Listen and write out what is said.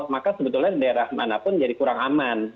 maka sebetulnya daerah mana pun jadi kurang aman